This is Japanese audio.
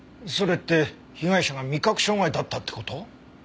それって被害者が味覚障害だったって事？